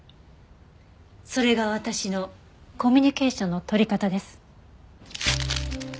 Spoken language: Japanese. それが私のコミュニケーションの取り方です。